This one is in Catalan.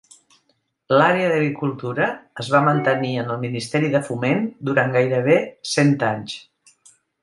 L'àrea d'agricultura es va mantenir en el Ministeri de Foment durant gairebé cent anys.